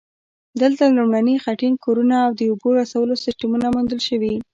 دلته لومړني خټین کورونه او د اوبو رسولو سیستمونه موندل شوي